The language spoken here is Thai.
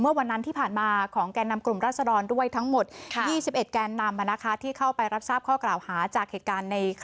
แต่ว่าที่เห็นนี้เป็นการชุมนุมที่เกิดขึ้นเมื่อ๒๕พฤศจิกายนที่ผ่านมาแล้วก็เกิดเหตุการณ์ปาระเบิดแล้วก็หยิงกันเกิดขึ้นเนี่ยนะคะ